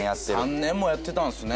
３年もやってたんですね。